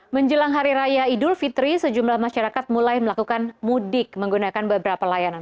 menjelang hari raya idul fitri sejumlah masyarakat mulai melakukan mudik menggunakan beberapa layanan